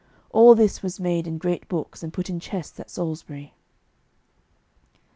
All this was made in great books, and put in chests at Salisbury.